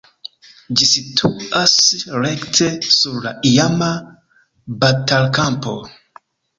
Ĝi situas rekte sur la iama batalkampo.